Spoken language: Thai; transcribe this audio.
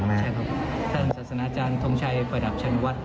ใช่ครับท่านศาสนาอาจารย์ทงชัยประดับชันวัด